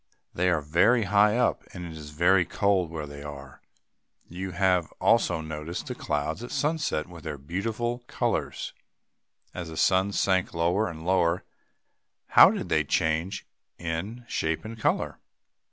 They are very high up, and it is very cold where they are. You have also noticed the clouds at sunset with their beautiful colors. As the sun sank lower and lower, how did they change, in shape and color?